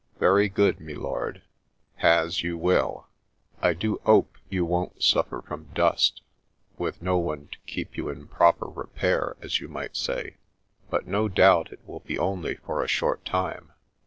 Very good, me lord ; has you will. I do 'ope you won't suffer from dust, with no one to keep you in proper repair, as you might say. But no doubt it will be only for a short time."